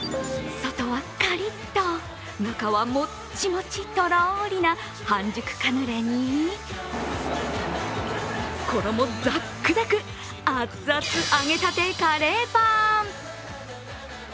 外はカリッと、中はもっちもち、とろーりな半熟カヌレに衣ザックザク、あつあつ揚げたてカレーパン。